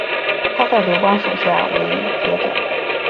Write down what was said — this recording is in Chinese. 他在刘邦手下为谒者。